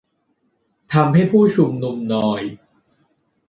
ทำให้ผู้ชุมนุมนอย